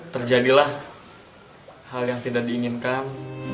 terjadilah hal yang tidak diinginkan